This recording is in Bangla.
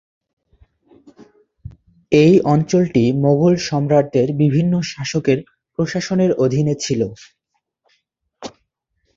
এই অঞ্চলটি মোগল সম্রাটদের বিভিন্ন শাসকের প্রশাসনের অধীনে ছিল।